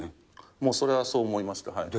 もうそれはそう思いました。